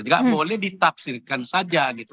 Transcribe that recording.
tidak boleh ditafsirkan saja gitu